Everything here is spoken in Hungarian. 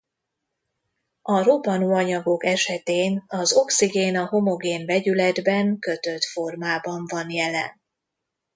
A robbanóanyagok esetén az oxigén a homogén vegyületben kötött formában van jelen.